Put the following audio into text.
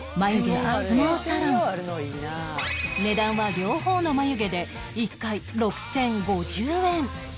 値段は両方の眉毛で１回６０５０円